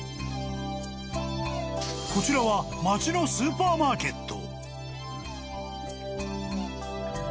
［こちらは街のスーパーマーケット］